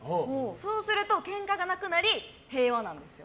そうするとケンカがなくなり平和なんですよ。